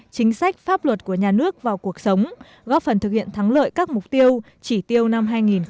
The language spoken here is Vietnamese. chính sách pháp luật của nhà nước vào cuộc sống góp phần thực hiện thắng lợi các mục tiêu chỉ tiêu năm hai nghìn hai mươi